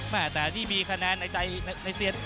แม่แต่ที่มีคะแนนในใจเซียนมวยนะ